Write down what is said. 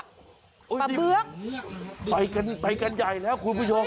ปลาเบื้อกไปกันใหญ่แล้วคุณผู้ชม